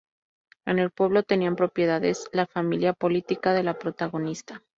En el pueblo, tenían propiedades la familia política de la protagonista.